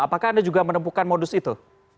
apakah anda juga menemukan modus itu